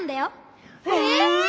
え！？